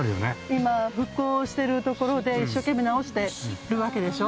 今復興してるところで一生懸命直してるわけでしょ。